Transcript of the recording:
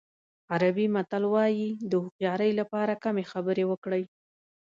عربي متل وایي د هوښیارۍ لپاره کمې خبرې وکړئ.